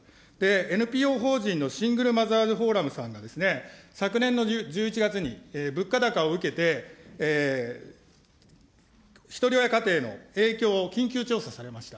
ＮＰＯ法人のしんぐるまざーずフォーラムさんがですね、昨年の１１月に、物価高を受けて、ひとり親家庭の影響を緊急調査されました。